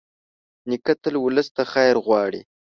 نیکه تل ولس ته خیر غواړي.